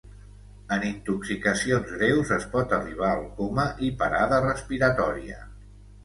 En intoxicacions greus es pot arribar al coma i parada respiratòria.